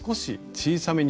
小さめに？